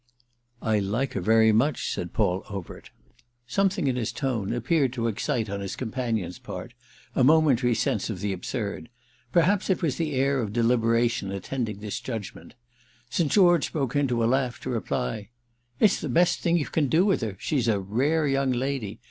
"I like her very much," said Paul Overt. Something in his tone appeared to excite on his companion's part a momentary sense of the absurd; perhaps it was the air of deliberation attending this judgement. St. George broke into a laugh to reply. "It's the best thing you can do with her. She's a rare young lady!